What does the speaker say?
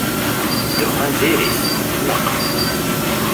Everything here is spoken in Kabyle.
Ddexxan diri-t, ineqq.